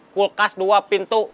kulkas dua pintu